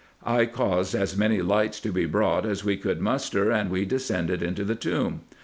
I caused as many fights to be brought as we could muster, and we descended into the tomb.